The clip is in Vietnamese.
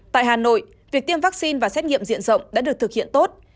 tại hà nội việc tiêm vaccine và xét nghiệm diện rộng đã được thực hiện tốt